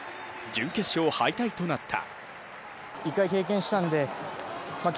準決勝敗退となった。